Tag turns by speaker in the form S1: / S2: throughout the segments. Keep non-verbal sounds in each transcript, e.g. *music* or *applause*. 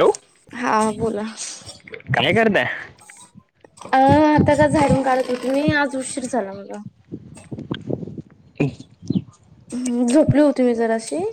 S1: Hello
S2: हा बोला
S1: काय करताय
S2: अ आता का झाडून काढत त मी आज उशीर झाला मला ह झोपली होती मी जराशी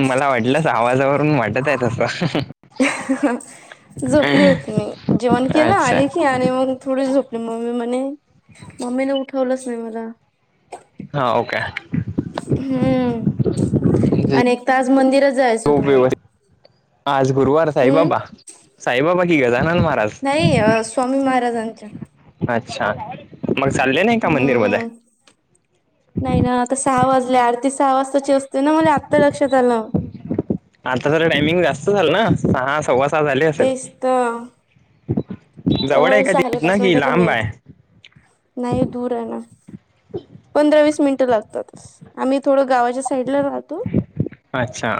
S1: मला वाटलंस आवाजावरून वाट
S2: झोपली होती मी जेवण केलं
S1: अच्छा
S2: आले की आत आणि मग थोडी झोपले मम्मी म्हणे मम्मीने उठवलंच नाही मला
S1: हाव का
S2: हम्म आणि
S1: खूप
S2: एक त आज मंदिरच जायच होतं मला
S1: व्यवस्थित आज गुरुवार साई
S2: हम्म
S1: बाबा साई बाबा की गजानंद महाराज.
S2: नाही स्वामी महाराजांच्या.
S1: अच्छा मग चालले नाही का मंदिर म्हदे?
S2: हम्म. नाही ना आता सहा वाजले आरती सहा वाजताची असते ना. मला आत्ता लक्षात आलं.
S1: आता तर टाइमिंग जास्त झालं ना. सहा सव्वा आता झाली असेल
S2: तेच तर
S1: जवळ आहे
S2: अ
S1: का
S2: सहाले पाच
S1: तिथंन का
S2: मिनिटं कमी
S1: लांब
S2: आहेत
S1: आहे.
S2: नाही दूर आहे ना. पंधरा वीस मिनिटं लागतात आम्ही थोडं गावाच्या साईडला राहतो.
S1: अच्छा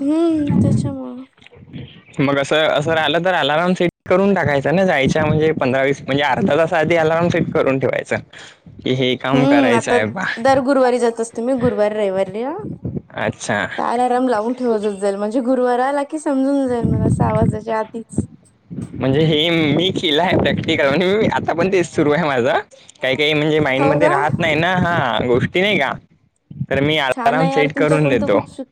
S2: हम्म त्याच्या मूळ
S1: मग असं असं राहिलं तर अलारम सेट करून टाकायचा ना, जायच्या म्हणजे पंधरा वीस म्हणजे अर्था तास आधी आरार्म फिट करून ठेवायच की हे काम
S2: हम्म
S1: करायचं
S2: आता
S1: आहे बा
S2: दर गुरुवारी जात असतेु मी गुरुवारी रविवारी.
S1: अच्छा.
S2: आराम लावून ठेवतच जाईल म्हणजे गुरुवारला की समजून जाईल मला अस आवाजाच्या आधीच
S1: म्हणजे हे मी केलं आहे प्रॅक्टिकल म्हणी आता पण ते सुरू आहे माझं काही काही म्हणजे
S2: हो का
S1: माइंडमध्येध्ये राहत नाही ना हा गोष्टी नाही का. तर मी
S2: छान
S1: अलारम
S2: आहे यार
S1: सेट करून
S2: तुमच्याकडून तर
S1: देतो.
S2: खूप शिक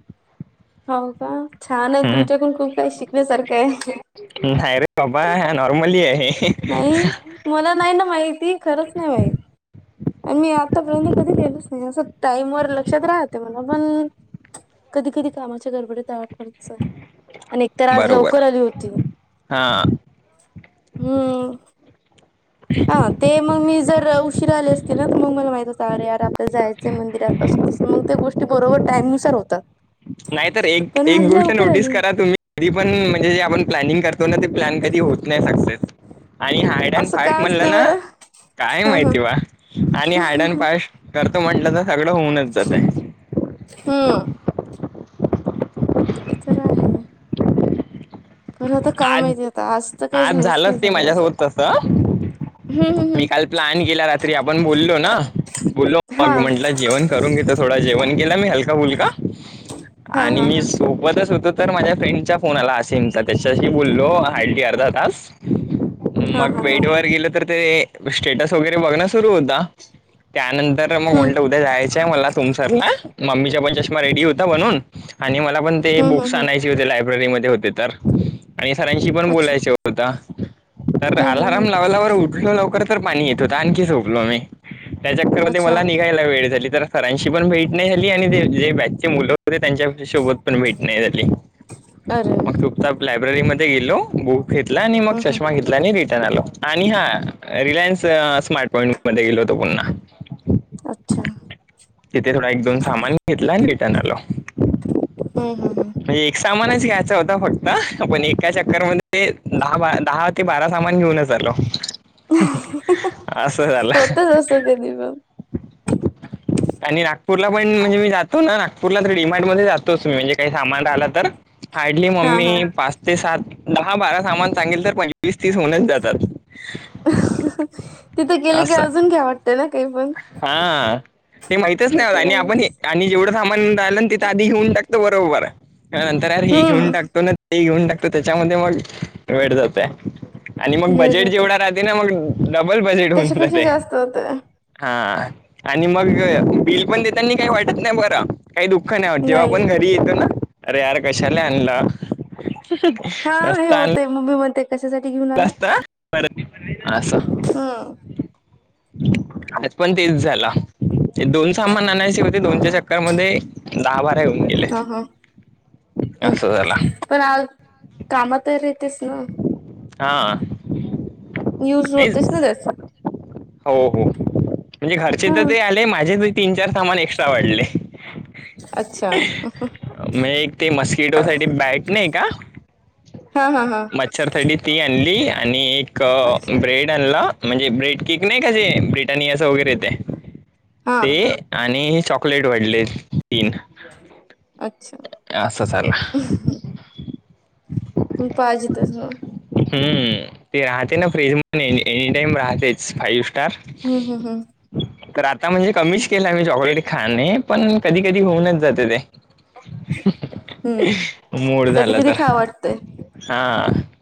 S2: हो का छान आहे.
S1: हम्म.
S2: तुमच्याकडून खूप काही शिकण्यासारखं आहे.
S1: नाहीय रे कबा नॉर्मलि आहे.
S2: नाही मला नाही ना माहिती खरंच नाही माहिती. आणि मी आतापर्यंत कधी गेलोच नाही. असं टाईमवर लक्षात राहते. म्हणा पण कधी कधी कामाच्या गडबडत आठ रोज च आणि एकतर आज
S1: बरोबर
S2: लवकर आली होती.
S1: हा
S2: हम्. हा ते मग मी जर उशिरा आले असतील ना तर मग मला माहित होतं अरे यार आपल्या जायचं मंदिरात. तसं तसं मग त्या गोष्टी बरोबर टाईमनुसार होतात.
S1: नाही तर एक
S2: पण
S1: एक
S2: आज
S1: गोष्ट
S2: लवकर
S1: नोटीस
S2: आली.
S1: करा तुम्ही कधी पण म्हणजे जे आपण प्लॅनिंग करतो ना. ते प्लॅन कधी होत नाही सक्सेस. आणि हायडन
S2: असं का
S1: फयट म्हणलं
S2: असते
S1: ना.
S2: बरं?
S1: काय
S2: हा हा
S1: माहिती बा आणि हायड अड
S2: हम्म
S1: पाश करतो म्हंटलं तर सगळं होऊनच जातं.
S2: हा. इतरा आहेै.
S1: आज
S2: माहिती आता तर काही
S1: आज
S2: नाही
S1: झालंच ते
S2: झालं माझं.
S1: माझ्यासोबत तस.
S2: हम्म हम्म
S1: मी
S2: हम्म
S1: काल प्लॅन केला रात्री. आपण बोललो ना बोलो
S2: हा
S1: मग म्हंटलं जेवण ून घेत थोडा जेवण केला मी हलका फुलका
S2: हा
S1: आणि
S2: हा
S1: मी
S2: हा
S1: सोबतच होतो तर माझ्या फ्रेंडच्या फोन आला. असेमचा त्याच्याशी बोललो हडी अर्धा तास
S2: हा
S1: मग
S2: हा हा
S1: बेट
S2: हम्म
S1: वर गेलं तर ते स्टेटस वगैरे बघण सुरु होता. त्यानंतर मग म्हणलं हो जायचंय मला तुमसरला मम्मीच्या पण चष्मा रेडी होता म्हणून आणि मला पण ते
S2: हम्म हम्म
S1: बुक्स
S2: हम्म
S1: आणायचे होते. लायब्ररीमध्ये होते तर. आणि सरांशी पण
S2: अच्छा
S1: बोलायच होता. तर
S2: हम्म हम्म
S1: अलारम
S2: हम्म
S1: लावल्यावर उठ ो लवकर तर पाणी येत होत आणखी झोपलो मी त्याच्यामध्ये
S2: अच्छा
S1: मला निघायला वेळ झाली तर. सरांशी पण भेट नाही झाली. आणि ते जे बचे मुलं होते. त्यांच्या सोबत पण भेट नाही झाली. *inaudible*
S2: अ.
S1: लायब्ररी मध्ये गेलो बुक घेतला आणि मग
S2: हम्म
S1: चष्मा घेतला आणि रिटर्न आलो आणि हा रिलायन्स स्मार्ट पॉइंट मध्ये गेलो होतो पुन्हा *inaudible*
S2: अच्छा
S1: तिथे थोडा एक दोन सामान घेतला आणि रिटर्न आलो
S2: हा हा हा
S1: म्हणजे एक सामानच घ्यायचा होता फक्त हा पण एका चक्करमध्ये दहाबारा दहा ते बारा सामान घेऊनच आलो
S2: हम्म
S1: असं झालं
S2: होतच असं कधी पण
S1: आणि नागपूरला पण म्हणजे मी जातो ना नागपूरला तर डिमार्ट मध्ये जातोच मी म्हणजे काही सामान राहिला तर हार्डली
S2: हा
S1: मम्मी
S2: हा
S1: पाच ते सात दहा-बारा सामान चांगल तर पंचवीस-तीस होऊनच जातात
S2: हहह तिथं गेले की
S1: असं
S2: अजून घ्याव वाटतं ना काही पण
S1: हा ते माहितच नाही
S2: तर
S1: आणि आपण हे
S2: आहेच
S1: आणि जेवढं सामान राहिलं ना तिथं आधी घेऊन टाकतो बरोबर नंतर हे घेऊन
S2: हम्म
S1: टाकतो ना ते घेऊन टाकतो त्याच्यामध्ये मग वेट जातोय आणि मग
S2: वेळ
S1: बजेट जेवढा
S2: जातच
S1: राहते ना मग डबल बजेट होऊन
S2: त्याच्यापेक्षा
S1: जाते
S2: जास्त होतय
S1: हा आणि मग बिल पण देताना काही वाटत नाही बरं काही दुःख नाही होत जेव्हा आपण घरी येतो ना अरे यार कशाला आणला
S2: हा हे होतय मम्मी मी म्हणते कशासाठी घेऊन आला
S1: तर मी पण असं
S2: हम्म
S1: आज पण तेच झाला ते दोन सामान आणायच होती
S2: हो
S1: दोनच्या
S2: ना
S1: चक्करमध्ये दहा बारा येऊन गेले
S2: हा हा हम्
S1: अस झाला
S2: पण आ काम तर येतेच ना
S1: हा
S2: यूज
S1: नाहीच
S2: होतेच ना त्याच
S1: हो हो म्हणजे घरचे
S2: हा
S1: तर ते आले माझे तीन-चार सामान एक्स्ट्रा वाढले
S2: अच्छा
S1: मी एक ते मस्किटो साठी बॅट नाही का
S2: हा हा हा
S1: मच्छर साठी ती आणली आणि एक
S2: अच्छा
S1: ब्रेड केक आनला म्हणजे ब्रेड केक नाही का ब्रिटानीयाचा वगैरे येतय
S2: हा
S1: ते आणि चॉकलेट वाढले तीन
S2: अच्छा
S1: अस झाल
S2: म पाहिजेेतच ना
S1: हम्म ते राहते ना फ्रीज मध्ये एनी टाईम राहतेच फ्रिजमध्ये फाईव्ह स्टार
S2: हम् हम हम्
S1: तर आता म्हणजे कमीच केला मी चॉकलेट खाणे पण कधी कधी होऊनच जाते ते मूड झालं तर
S2: पटतय
S1: हा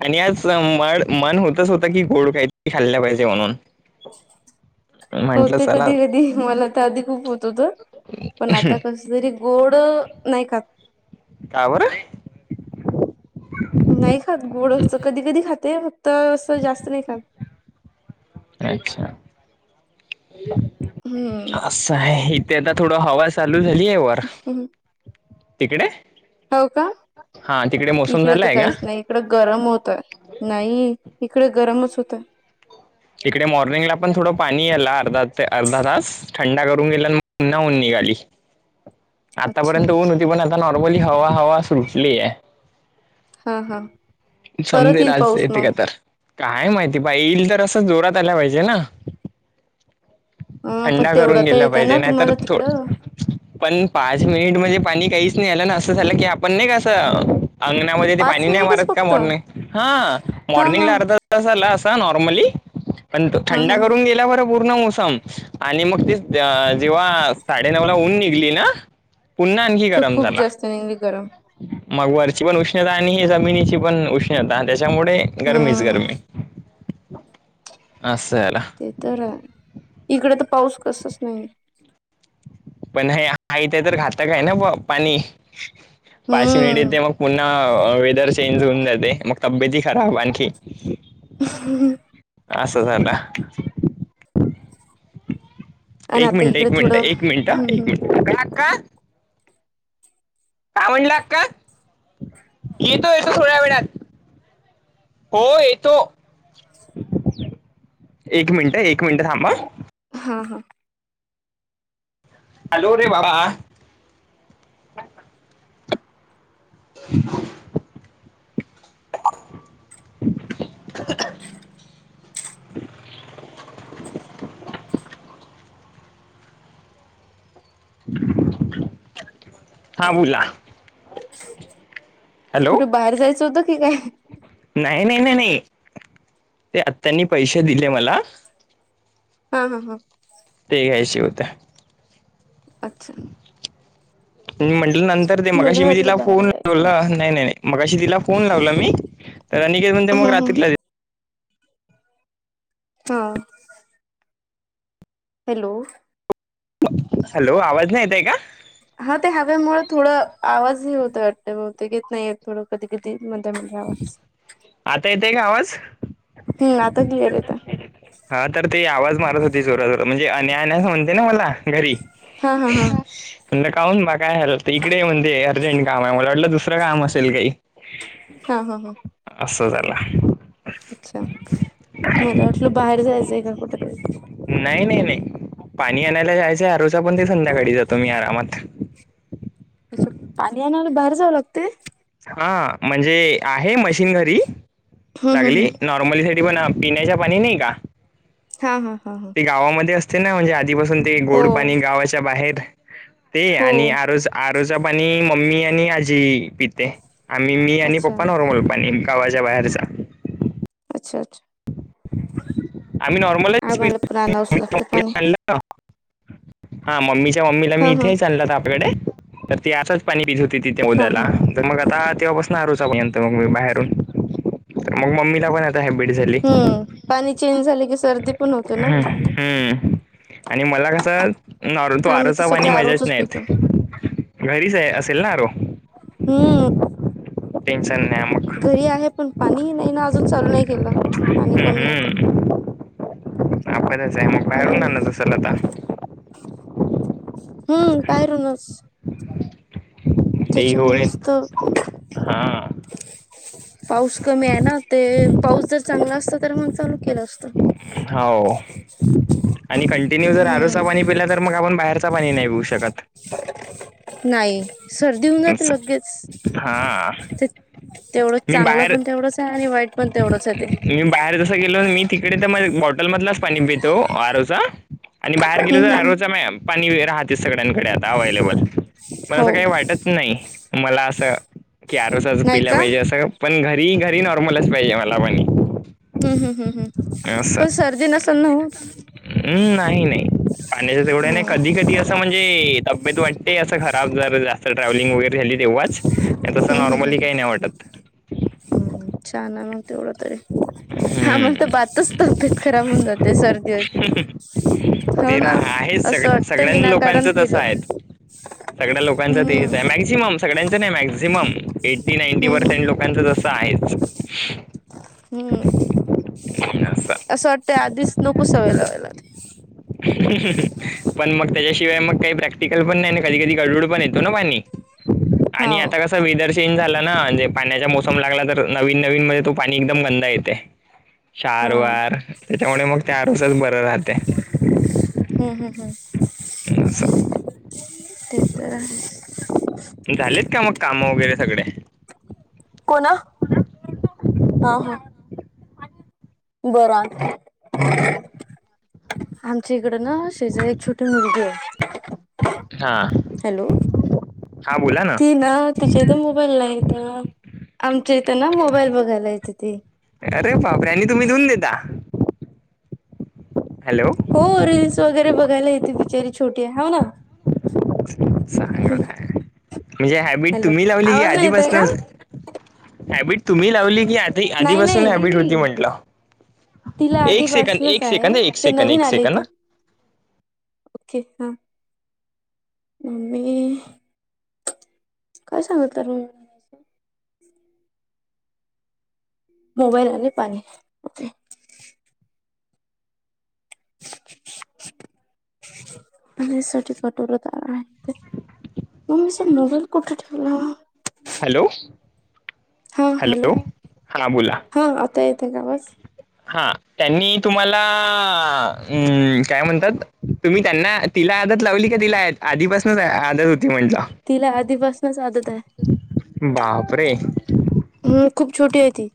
S1: आणि आज म मन होतच होत की गोड काही तरी खाल्ल पाहिजे म्हणून *unintelligible* म्हंटलं
S2: होते
S1: चला
S2: कधी कधी मला तर आधी खूप होत होत पण आता कस घरी गोड नाही खात
S1: का बर?
S2: नाही खात गोड अस. कधी कधी खाते फक्त असं जास्त नाही खात.
S1: अच्छा.
S2: हम्म
S1: असं आहे इथे आता थोड हवा- चालू झालीय वर. तिकडे?
S2: हो का?
S1: हा तिकडे मोसम
S2: इकडे
S1: झाला
S2: तर
S1: आहे का
S2: काहीच नाही. इकड गरम होतय. नाही इकडे गरमच होतय.
S1: इकडे मॉर्निंगला पण थोडं पाणी आला अर्धा ते अर्धा तास. थंडा करून गेला न पुन्हा ऊन निघाली.
S2: अच्छा
S1: आत्तापर्यंत ऊन होती. पण आता नॉर्मली हवा हवा सुटलीए.
S2: हा हा परत
S1: समजेल
S2: येईल
S1: आज
S2: पाऊस
S1: येते का
S2: मग
S1: तर. काय माहिती भाई. येईल तर असं जोरात आला पाहिजे ना?
S2: ह पण
S1: थंडा
S2: तेवढा
S1: करून
S2: तर
S1: गेला
S2: येत आहे
S1: पाहिजे.
S2: ना
S1: नाहीतर
S2: तुम्हाला
S1: थोड-
S2: तिकडं
S1: पण पाच मिनिट म्हणजे पाणी काहीच नाही आला ना. असं झालं की आपण नाही का असं- अंगणामध्ये ते
S2: पाच
S1: पाणी नाही
S2: मिनिटच
S1: मारत का
S2: फक्त
S1: मॉर्निंग? हा
S2: हा हा
S1: मॉर्निंगला अर्धा - तास आला अस नॉर्मली. पण तो
S2: हा हा
S1: थंडा
S2: हा
S1: करून गेला बरं पूर्ण मोसम. आणि मग ती जेव्हा साडेनऊ ला ऊन निघली ना? पुन्हा आणखी
S2: तर
S1: गरम
S2: खूप
S1: झाला.
S2: जास्त निघली गरम
S1: मग वरची पण उष्णता आणि जमिनीची पण उष्णता त्याच्यामुळे गरमीच
S2: हम्म
S1: गरमी. अस झालं.
S2: ते तर इकडे तर पाऊस कसाच नाही.
S1: पण हे आहे. *unintelligible* तर घातक आहे ना पाणी? पाच मिनिट
S2: हम्म
S1: येते मग पुन्हा वेदर चेंज होऊन जाते. मग- तब्येती खराब आणखी.
S2: ह.
S1: असं झालं.
S2: आणि
S1: एक
S2: आता
S1: मिनिटं.
S2: इकडे
S1: एक मिनिट.
S2: थोडं
S1: एक मिनिटं.
S2: हम्म हम्म
S1: ठीकए. काय म्हटलं अक्का? येतो येतो थोड्या वेळात. हो येतो. एक मिनिट. एक मिनिट थांब हं.
S2: हा हां.
S1: आलो रे बाबा. *inaudible* *inaudible* हा बोला. हॅलो
S2: कुठे बाहेर जायचं होतं की काय?
S1: नाही. नाही. नाही. नाही. ते आत्यांनी पैसे दिले मला-
S2: हा हा हा.
S1: ते घ्यायचे होते.
S2: अच्छा.
S1: मी म्ह- नंतर ते मगाशी
S2: मला
S1: मी तिला
S2: वाटलं बाहेर
S1: फोन
S2: जायचं
S1: लावला. नाही नाही नाही मगाशी तिला फोन लावला मी. तर अनिकेत म्हणते मग
S2: हम्म हम्म
S1: रात्रीला ये.
S2: हा. हॅलो.
S1: हॅलो. आवाज नाही येत आहे का?
S2: हा. ते हवेमुळे थोडं आवाज हे होत आहे वाटत. येत नाहीये. थोडं कधी कधी मध्ये मध्ये आवाज
S1: आता येतय का आवाज?
S2: हम्म आता क्लिअर येताय.
S1: हा तर ते आवाज मारत होती जोरा- जोरात म्हणजे अन्या- अन्याच म्हणते ना मला घरी.
S2: हा हा हा.
S1: म्हणलं काऊन बा काय झालं इकडे ये म्हणते अर्जंट कामाय मला वाटलं दुसरं काम असेल काय.
S2: हा हा हा.
S1: असं झाल.
S2: अच्छा मला वाटलं बाहेर जायचंय का कुठतरी.
S1: नाय नाय नाय पाणी आणायला जायचंय आरो चा पण ते संध्याकाळी जातो मी आरामात.
S2: पाणी आणायला बाहेर जावं लागतंय?
S1: हा म्हणजे आहे मशीन घरी
S2: हम्म हम्म हम्म
S1: लागली नॉ मली साठी पण पिण्याच्या पाणी नाइ का?
S2: हा हा हा हा.
S1: ते गावामध्ये असते ना म्हणजे आधीपासून ते
S2: हो
S1: गोड पाणी गावाच्या बाहेर ते
S2: हो
S1: आणि आरो चा आरो चा पाणी मम्मी आणि आजी पिते आम्ही मी आणि
S2: अच्छा
S1: पप्पा नॉर्मल पाणी गावाच्या बाहेरच
S2: अच्छा अच्छा.
S1: आम्ही नॉ
S2: आम्हाला पण आणावच लागतं पाणी.
S1: हा मम्मीच्या मम्मीला मी
S2: हा हा
S1: इथेही आणलं आता आपल्याकडे. ते आसच पाणी पित होती ति त्या
S2: हा
S1: उदा ला
S2: हा हा
S1: तर मग आता तेव्हापासून आरोचा पाणी आणतो मंग मी बाहेरून तर मग मम्मीला पण आता हॅबीट झाली.
S2: हम्म पाणी चेंज झाल की सर्दी पण होते ना?
S1: हम्. आणि मला कसं नॉर तो
S2: आम्ही तर
S1: आरोचा
S2: सगळे
S1: पाणी मजाच
S2: आरोचच
S1: नाया
S2: पितो
S1: नाय येत. घरीचाय असेल ना आरो?
S2: हम्म.
S1: टेन्शन नाय मग.
S2: घरी आहे पण पाणीही नाही ना अजून चालू नाही केलं.
S1: हम्
S2: पाणी कमी येत
S1: हम्म आपलाचाय मग बाहेरून
S2: हम्म
S1: आणत असाल आता?
S2: हम्म बाहेरूनच.
S1: ते
S2: त्याच्यामुळेच तर
S1: होळीत हा.
S2: पाऊस कमी हाय ना ते पाऊस जर चांगला असत तर मग चालू केलं असत.
S1: हाव. आणि कंटिन्यू जर आरूचा पाणी
S2: हम्म
S1: पिला तर मग आपण बाहेरच पाणी नाय पिऊ शकत.
S2: नाय सर्दी होऊन जाते लगेच.
S1: हा
S2: ते तेवढं
S1: मी
S2: चांगलं
S1: बाहेर
S2: पण तेवढंचाय आणि वाईट पण तेवढंचाय ते.
S1: मी बाहेर जस गेलो मी तिकडे तर बॉटल मधलाच पाणी पीतो आरो चा. आणि बाहेर गेलो तर
S2: हम्म हम्म
S1: आरोचा पाणी राहते सगळ्यांकडे आता अवेलेबल. मला
S2: हो
S1: असं काय वाटत नाही मला असं की आरोचा
S2: नाही
S1: पिला
S2: का
S1: पाहिजे
S2: हम्म
S1: असं पण घरी घरी नॉर्मलच पाहिजे मला पणी.
S2: हम् हम् हम् हम् सर्दी नसल ना होत?
S1: हम्म, नाही नाही पाण्याचं तेवढ्या नाय
S2: हम्म
S1: कधी कधी अ असं म्हणजे तब्येत वाटते असं खराब जर जास्त ट्रॅव्हलिंग वगैरे झाली तेव्हाच. नाही तसं
S2: हम् हम् हम्
S1: नॉर्मली काही नाही वाटत
S2: हम्म छान हाय मग तेवढं तरी. आम्हाला तर
S1: हम्म.
S2: भातच तब्येत खराब होऊन जाते सर्दी होती.
S1: ते रा आहे सग सगळ्यां लोकांच
S2: विनाकारण
S1: तसं
S2: पिलं
S1: आहे. सगड्या लोकांच
S2: हम्म
S1: तेच आहे
S2: हम्म
S1: मॅक्झिमम. सगाड्यांच नाही मॅक्झिमम एटी नाईंटी
S2: हम्म
S1: पर्सेंट
S2: हम्म
S1: लोकांचं तसं आहेच.
S2: हम्म असं वाटतंय आधीच नको सवय लावायला.
S1: पण मग त्याच्याशिवाय मग काही प्रॅक्टिकल पण नाही कधी कधी गडूड पण येत तो ना पाणी आणि
S2: हाव
S1: आता कसं वेदर चेंज झाला ना म्हणजे पाण्याचा मोसम लागला तर नवीन नवीन मध्ये तो पाणी एकदम गंदा येते. चार
S2: हा
S1: वार
S2: हम्म
S1: त्याच्यामुळे मग त्या रोसच बर राहते.
S2: हम हम हम.
S1: असं.
S2: ते तर आहेच.
S1: झालेत का मग कामं वगैरे सगडे?
S2: कोणा हा हा बरं. आमच्या इकड ना शेजारी एक छोटी मुलगी आहे.
S1: हा
S2: हॅलो
S1: हा बोला ना.
S2: ती ना तिच्या इथ मोबाईल नाहीेत आमच्या इथं ना मोबाईल बघायला येते ती.
S1: अरे बापरे आणि तुम्ही देऊन देता? हॅलो.
S2: हो रीलल्स वगैरे बघायला येते बिचारी छोट आहे हा ना.
S1: चांगलं आहे म्हणजे हॅबिट
S2: हॅलो
S1: तुम्ही लावली की
S2: आवाज नाही येत आहे
S1: आधीपासन
S2: का
S1: हॅबिट तुम्ही लावली की आ
S2: नाही
S1: आधीपासून
S2: नाही
S1: हॅबिट होती म्हंटलं.
S2: तिला
S1: एक सेकंद
S2: आधीपासूनच
S1: एक सेकंद
S2: आहे
S1: एक
S2: ते
S1: सेकड
S2: नवीन
S1: एक
S2: आले
S1: सेकंद.
S2: इथे ओके हा. मम्मी काय सांगत तरु. मोबाईल आणि पाणी. ओके अनेसाठी कटोरत आला आहे ते. मग मी अस मोबाईल कुठे ठेवला.
S1: हॅलो. हॅलो हा बोला
S2: हा आता येते का आवाज
S1: हा. त्यांनी तुम्हाला उम काय म्हणतात तुम्ही त्यांना तिला आदत लावली का तिला आधीपासूनच आदत होती म्हंटलं.
S2: तिला आधीपासूनच आदत आहे.
S1: बापरे.
S2: हम्म खूप छोटी आहे ती.